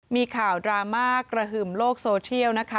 มีข่าวดราม่ากระหึ่มโลกโซเทียลนะคะ